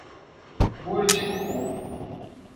Buriticupu